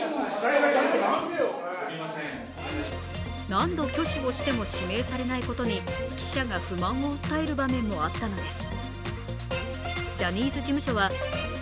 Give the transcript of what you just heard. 何度、挙手をしても指名されないことに記者が不満を訴える場面もあったのです。